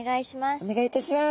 お願いいたします。